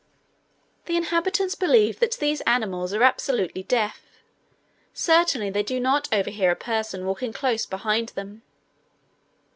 The inhabitants believe that these animals are absolutely deaf; certainly they do not overhear a person walking close behind them.